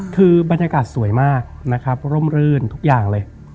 คือบรรยากาศสวยมากนะครับร่มรื่นทุกอย่างเลย